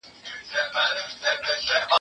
زه راغلی یم چي لار نه کړمه ورکه